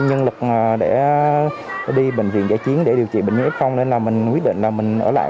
nhân lực để đi bệnh viện giải chiến để điều trị bệnh nhân không nên là mình quyết định là mình ở lại